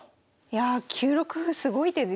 いや９六歩すごい手ですね。